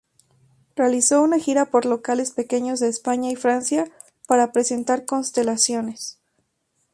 Realizó una gira por locales pequeños de España y Francia para presentar "Constelaciones...".